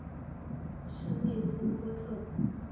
什里夫波特。